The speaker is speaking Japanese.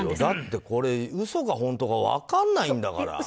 だって、これ嘘か本当か分からないんだから。